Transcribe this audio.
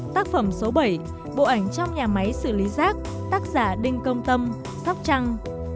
tác phẩm số bảy bộ ảnh trong nhà máy xử lý rác tác giả đinh công tâm sóc trăng